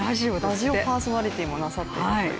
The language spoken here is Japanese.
ラジオパーソナリティーもなさってるという。